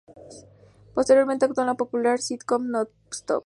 Posteriormente actuó en el popular sitcom"Nonstop".